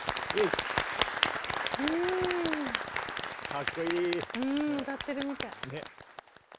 かっこいい。